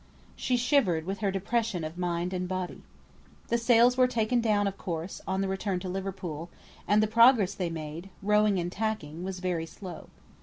She shivered with her depression of mind and body. The sails were taken down, of course, on the return to Liverpool, and the progress they made, rowing and tacking, was very slow.